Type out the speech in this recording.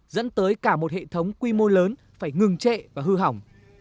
dẫn tới cả một hệ thống quy mô lớn phải ngừng trệ và hư hỏng